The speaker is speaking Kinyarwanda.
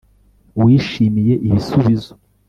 Wishimiye ibisubizo